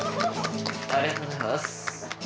「ありがとうございます」。